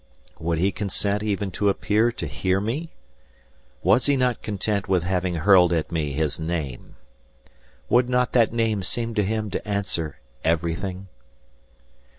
Would he consent even to appear to hear me? Was he not content with having hurled at me his name? Would not that name seem to him to answer everything?